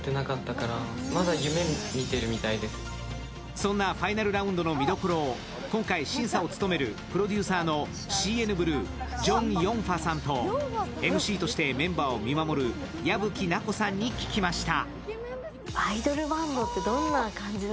そんなファイナルラウンドの見どころを今回審査を務めるプロデューサーのＣＮＢＬＵＥ、ジョン・ヨンファさんとＭＣとしてメンバーを見守る矢吹奈子さんに聞きました。